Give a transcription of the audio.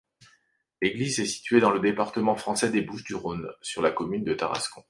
L'église est située dans le département français des Bouches-du-Rhône, sur la commune de Tarascon.